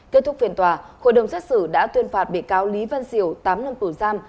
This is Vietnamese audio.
kết thúc phiền tòa hội đồng xét xử đã tuyên phạt bị cáo lý văn diều tám năm tù giam